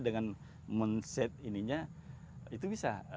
dengan men set ininya itu bisa